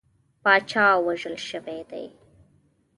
پاچا وژل شوی دی.